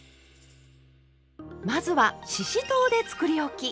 まずはししとうでつくりおき！